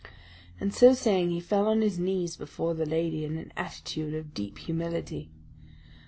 And so saying, he fell on his knees before the lady in an attitude of deep humility.